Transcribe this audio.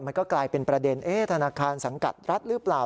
มันก็กลายเป็นประเด็นธนาคารสังกัดรัฐหรือเปล่า